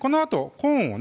コーンをね